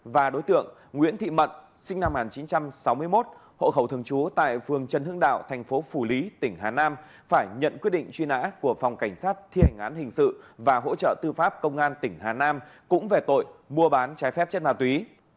và đối tượng nguyễn thị mận sinh năm một nghìn chín trăm sáu mươi một hộ khẩu thường trú tại phường trần hương đạo thành phố phủ lý tỉnh hà nam phải nhận quyết định truy nã của phòng cảnh sát thi hành án hình sự và hỗ trợ tư pháp công an tỉnh hà nam cũng về tội mua bán trái phép chất ma túy